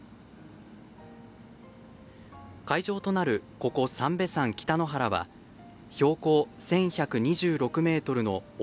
会場となる、ここ三瓶山北の原は標高１１２６ｍの男